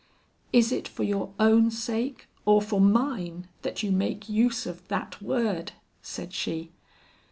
"Is it for your own sake or for mine, that you make use of that word?" said she.